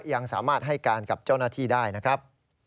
ยังสามารถให้การกับเจ้าหน้าที่ได้นะครับ